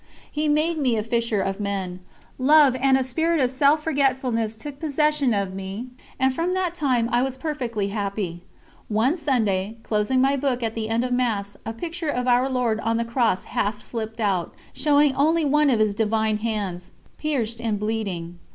He made me a fisher of men. Love and a spirit of self forgetfulness took possession of me, and from that time I was perfectly happy. One Sunday, closing my book at the end of Mass, a picture of Our Lord on the Cross half slipped out, showing only one of His Divine Hands, pierced and bleeding.